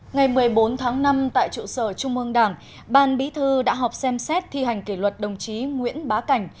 ngày một mươi bốn tháng năm tại trụ sở trung ương đảng ban bí thư đã họp xem xét thi hành kỷ luật đồng chí nguyễn bá cảnh